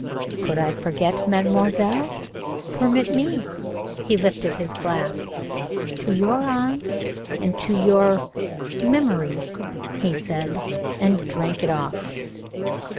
"Could I forget, mademoiselle? Permit me." He lifted his glass. "To your eyes and to your memory," he said, and drank it off.